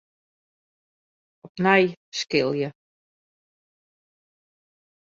Opnij skilje.